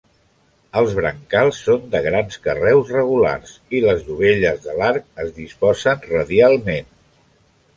Els brancals són de grans carreus regulars, i les dovelles de l'arc es disposen radialment.